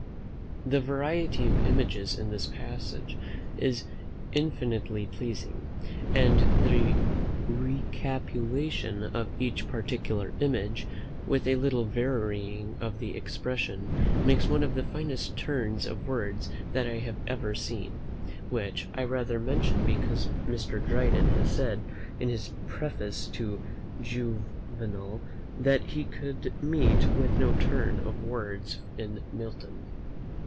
The variety of images in this passage is infinitely pleasing; and the recapitulation of each particular image, with a little varying of the expression, makes one of the finest turns of words that I have ever seen: which I rather mention because Mr. Dryden has said, in his preface to Juvenal, that he could meet with no turn of words in Milton.